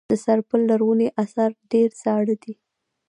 د سرپل لرغوني اثار ډیر زاړه دي